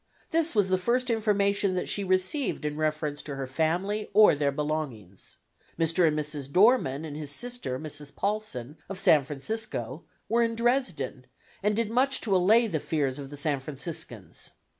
This was the first information that she received in reference to her family or their belongings. Mr. and Mrs. Dohrmann and his sister, Mrs. Paulsen, of San Francisco, were in Dresden, and did much to allay the fears of the San Franciscans.